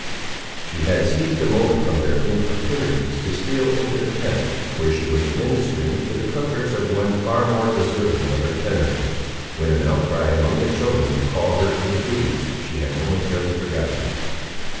She had seized a moment from their importunities to steal into the tent, where she was administering to the comforts of one far more deserving of her tenderness, when an outcry among the children recalled her to the duties she had momentarily forgotten.